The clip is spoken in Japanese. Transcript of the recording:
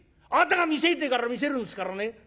「あなたが見せえって言うから見せるんですからね。